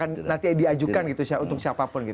ya nanti diajukan gitu untuk siapapun gitu